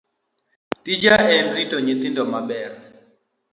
Tija en rito nyithindo maber